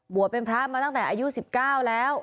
เป็นพระมาตั้งแต่อายุ๑๙แล้ว